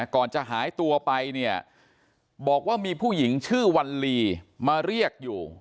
ก่อนจะหายตัวไปเนี่ยบอกว่ามีผู้หญิงชื่อวัลลีมาเรียกอยู่